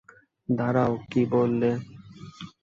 দাড়াঁও, কী বললে?